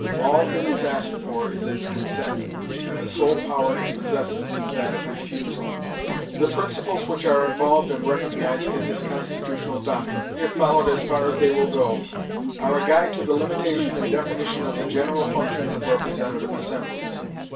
All it is asked for is its consent, and the sole power it possesses is that of refusal. The principles which are involved and recognized in this constitutional doctrine, if followed as far as they will go, are a guide to the limitation and definition of the general functions of representative assemblies.